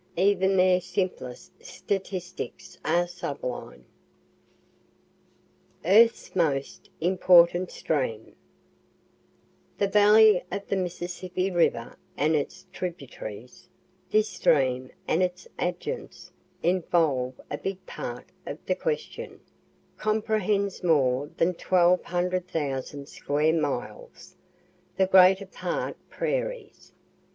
Even their simplest statistics are sublime. EARTH'S MOST IMPORTANT STREAM The valley of the Mississippi river and its tributaries, (this stream and its adjuncts involve a big part of the question,) comprehends more than twelve hundred thousand square miles, the greater part prairies.